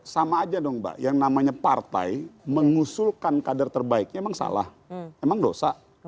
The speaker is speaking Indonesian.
sama aja dong mbak yang namanya partai mengusulkan kader terbaiknya memang salah emang dosa